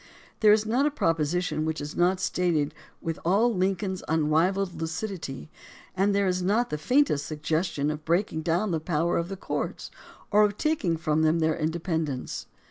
There is not a proposition which is not stated with all Lincoln's unrivalled lucidity, and there is not the faintest suggestion of breaking down the power of the courts or of taking from them their inde pendence.